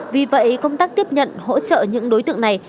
vì vậy công tác tiếp nhận hỗ trợ những đối tượng này